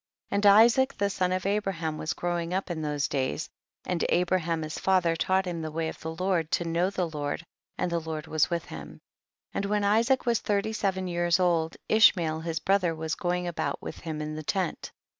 40. And Isaac the son of Abra ham was growing up in those days, and Abraham his father taught him the way of the Lord to know the Lord, and the Lord was with him. 41. And when Isaac was thirty seven years old, Ishmael his brother was going about with him in the tent.